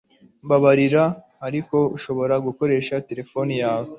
Mbabarira ariko nshobora gukoresha terefone yawe